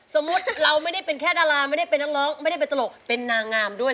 สมมุติเราไม่ได้เป็นแค่ดาราไม่ได้เป็นนักร้องไม่ได้เป็นตลกเป็นนางงามด้วย